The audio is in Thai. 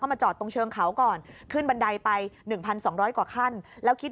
มาจอดตรงเชิงเขาก่อนขึ้นบันไดไป๑๒๐๐กว่าขั้นแล้วคิด